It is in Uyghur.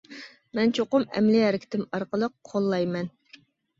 مەن چوقۇم ئەمەلىي ھەرىكىتىم ئارقىلىق قوللايمەن.